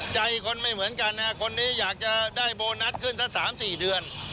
ใจคนไม่เหมือนกันนะครับคนนี้อยากจะได้โบนัสขึ้นสักสามสี่เดือน